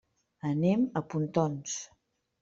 Anem a Pontons.